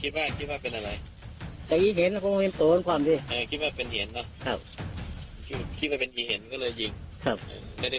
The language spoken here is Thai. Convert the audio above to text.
มันยิ่งเหลืออะเพราะมันตายอย่างนี้